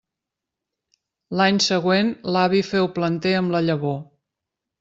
L'any següent l'avi féu planter amb la llavor.